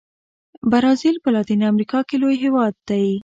برازیل په لاتین امریکا کې لوی هېواد دی.